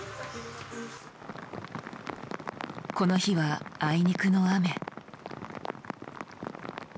この日はあいにくの雨。